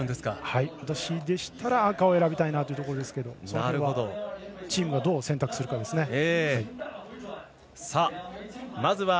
私でしたら赤を選びたいなというところですがチームがどう選択するかですね。